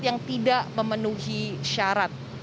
yang tidak memenuhi syarat